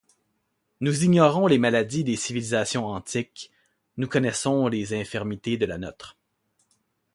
Nous ignorons les maladies des civilisations antiques, nous connaissons les infirmités de la nôtre.